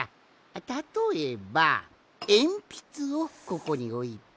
たとえばえんぴつをここにおいて。